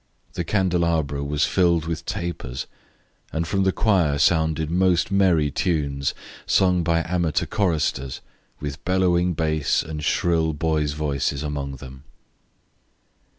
The candelabra was filled with tapers, and from the choir sounded most merry tunes sung by amateur choristers, with bellowing bass and shrill boys' voices among them.